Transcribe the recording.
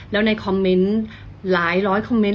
แล้วในคอมเมนต์หลายร้อยคอมเมนต